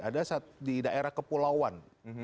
ada di daerah kepulauan